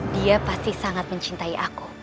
dia pasti sangat mencintai aku